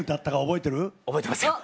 覚えてますよ。